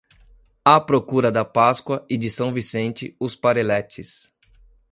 À procura da Páscoa e de São Vicente os parelletes.